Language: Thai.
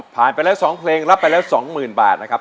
ผ่านไปแล้วสองเพลงรับไปแล้วสองหมื่นบาทนะครับ